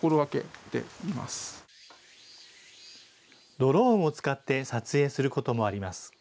ドローンを使って撮影することもあります。